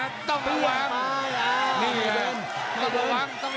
เป็นยุ่งเรื่องด้วยนะ